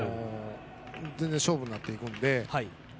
全然、勝負になっていくので。